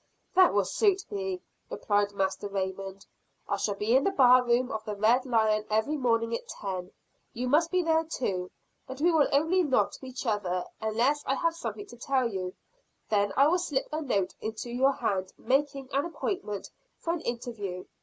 "That will suit me," replied Master Raymond, "I shall be in the bar room of the Red Lion every morning at ten. You must be there too. But we will only nod to each other, unless I have something to tell you. Then I will slip a note into your hand, making an appointment for an interview.